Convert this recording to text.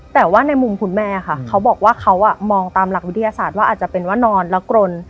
แต่ว่าในมุมคุณแม่ค่ะเขาบอกว่าเขามองตามหลักวิทยาศาสตร์ว่าอาจจะเป็นว่านอนแล้วกรน